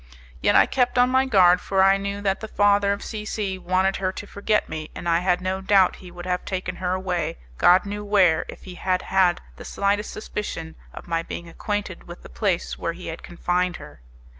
Yet I kept on my guard, for I knew that the father of C C wanted her to forget me, and I had no doubt he would have taken her away, God knew where if he had had the slightest suspicion of my being acquainted with the place where he had confined her.